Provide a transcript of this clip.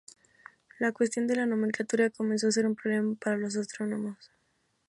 La cuestión de la nomenclatura comenzó a ser un problema para los astrónomos.